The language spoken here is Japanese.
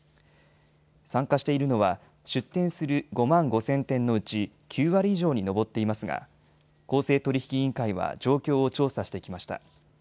参加しているのは出店する５万５０００店のうち９割以上に上っていますが公正取引委員会は状況を調査してきました。